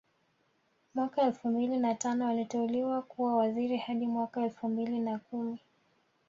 Mwaka elfu mbili na tano aliteuliwa kuwa waziri hadi mwaka elfu mbili na kumi